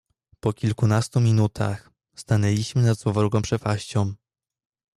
"Po kilkunastu minutach, stanęliśmy nad złowrogą przepaścią."